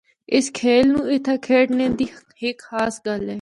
اس کھیل نوں اِتھا کھیڈنا دی ہک خاص گل ہے۔